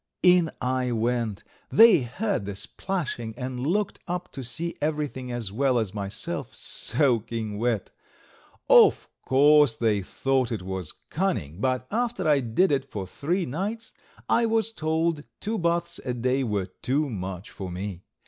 In I went. They heard the splashing and looked up to see everything as well as myself soaking wet. Of course they thought it very cunning, but after I did it for three nights I was told two baths a day were too much for me.